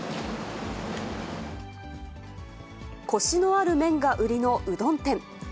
こしのある麺が売りのうどん店。